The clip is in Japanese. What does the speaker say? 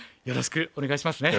よろしくお願いします。